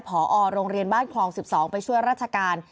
พอโรงเรียนบ้านคลอง๑๒ไปช่วยราชการ